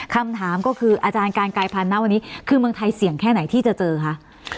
คำถามก็คืออาจารย์การกายพันธุนะวันนี้คือเมืองไทยเสี่ยงแค่ไหนที่จะเจอคะ